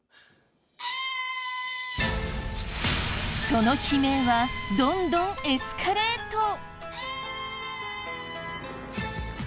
その悲鳴はどんどんエスカレート。